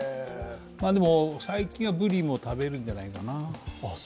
でも、最近はブリも食べるんじゃないかな。